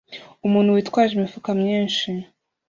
Umuntu witwaje imifuka myinshi